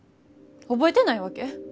覚えてないわけ？